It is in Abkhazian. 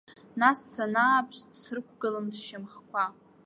Нас санааԥш срықәгылан сшьамхқәа.